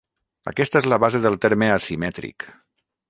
Aquesta és la base del terme asimètric.